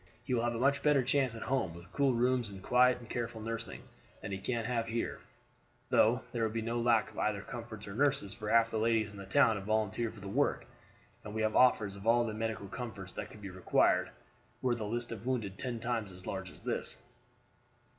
He will have a much better chance at home, with cool rooms and quiet and careful nursing, than he can have here; though there would be no lack of either comforts or nurses, for half the ladies in the town have volunteered for the work, and we have offers of all the medical comforts that could be required were the list of wounded ten times as large as it is."